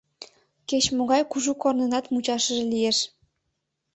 Кеч-могай кужу корнынат мучашыже лиеш.